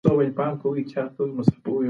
په تیاره کې لارښود اوسئ.